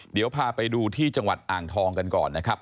เดี๋ยวพาไปดูที่จังหวัดอ่างทองกันก่อนนะครับ